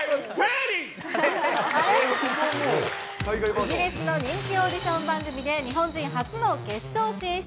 イギリスの人気オーディション番組で日本人初の決勝進出。